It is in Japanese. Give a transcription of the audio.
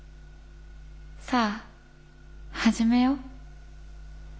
さあ始めよう。